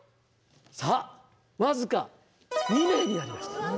さあ僅か２名になりました。